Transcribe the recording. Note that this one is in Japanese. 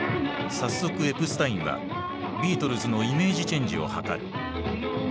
早速エプスタインはビートルズのイメージチェンジを図る。